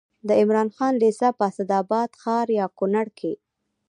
د عمراخان لېسه په اسداباد ښار یا کونړ کې